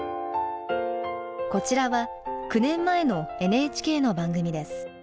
こちらは９年前のＮＨＫの番組です。